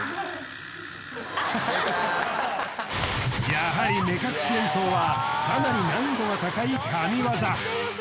やはり目隠し演奏はかなり難易度が高い神業！